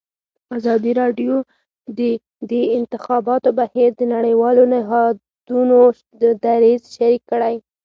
ازادي راډیو د د انتخاباتو بهیر د نړیوالو نهادونو دریځ شریک کړی.